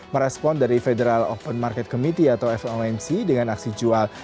merespon dari federal open market committee atau fomc dengan aksi jual